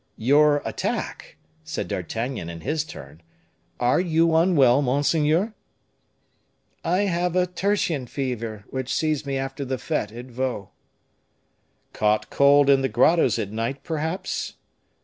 "Your attack?" said D'Artagnan, in his turn; "are you unwell, monseigneur?" "I have a tertian fever, which seized me after the fete at Vaux." "Caught cold in the grottos, at night, perhaps?"